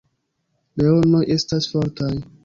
Leonoj estas fortaj.